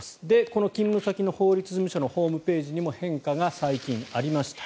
この勤務先の法律事務所のホームページにも変化が最近ありました。